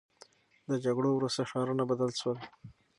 د جګړو وروسته ښارونه بدل سول.